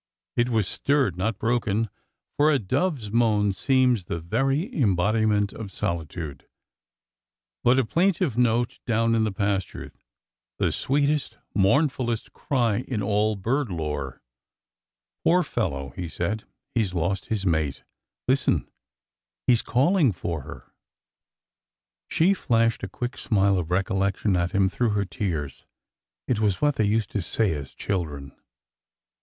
It was stirred, not broken— for a dove's moan seems the very embodi ment of solitude — by a plaintive note down in the pasture, — the sweetest, mournfulest cry in all bird lore. THE DOVFS CALL 405 Poor fellow !'' he said. He 's lost his mate. Lis ten ! he ^s calling for her.'^ She flashed a quick smile of recollection at him through her tears. It was what they used to say as children.